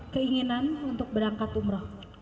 keinginan untuk berangkat umroh